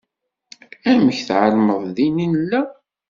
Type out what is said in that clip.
Amek tɛelmeḍ din i nella?